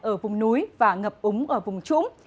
ở vùng núi và ngập úng ở vùng trũng